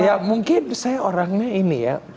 ya mungkin saya orangnya ini ya